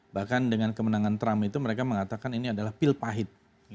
bahkan dengan kemenangan trump itu mereka mengatakan ini adalah pil pahit